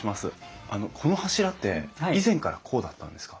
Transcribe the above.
あのこの柱って以前からこうだったんですか？